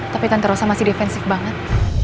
tapi tanto rosa masih defensif banget